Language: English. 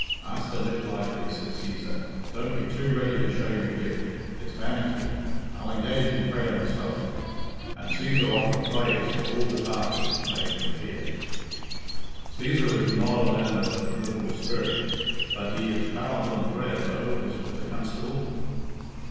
"Masther Niplightly," said Cæsar, "don't be too ready to show your gift. It's vanity. I'll engage in prayer myself." And Cæsar offered praise for all departed in faith and fear. "Cæsar is nod a man of a liberal spirit, bud he is powerful in prayer, dough," whispered the Constable.